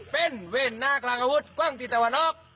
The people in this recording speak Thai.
เป็นเว่นหน้ากลางอาวุธกว้างที่ตะวันออก